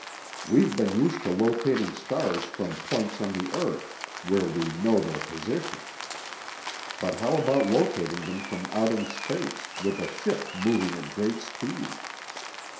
We've been used to locating stars from points on the earth, where we know their position. But how about locating them from out in space, with a ship moving at great speed?